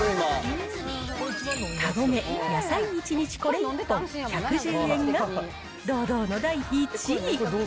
カゴメ、野菜一日これ一本１１０円が堂々の第１位。